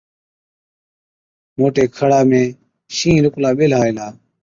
موٽي کڙا ۾ شِينهِين لُڪلا ٻيهلا هِلا۔